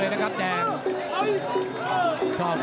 ตามต่อยกที่สองครับ